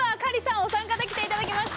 お三方、来ていただきました！